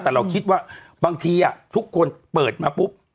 แต่เราคิดว่าบางทีทุกคนเปิดมาปุ๊บ